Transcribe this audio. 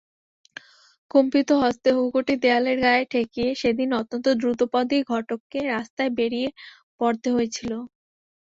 কম্পিত হস্তে হুঁকোটি দেয়ালের গায়ে ঠেকিয়ে সেদিন অত্যন্ত দ্রুতপদেই ঘটককে রাস্তায় বেরিয়ে পড়তে হয়েছিল।